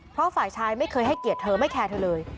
เพราะฝ่ายชายไม่เคยให้เกียรติเธอไม่แคร์เธอเลย